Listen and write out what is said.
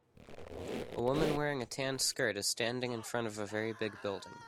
A woman wearing a tan skirt is standing in front of a very big building.